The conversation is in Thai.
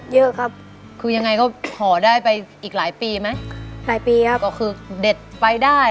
เยอะครับคือยังไงก็ห่อได้ไปอีกหลายปีไหมหลายปีครับก็คือเด็ดไปได้